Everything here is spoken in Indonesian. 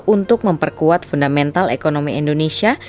untuk memperkuat fundamental ekonomi indonesia